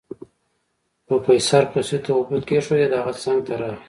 پروفيسر خوسي ته اوبه کېښودې د هغه څنګ ته راغی.